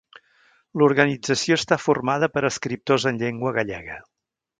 L'organització està formada per escriptors en llengua gallega.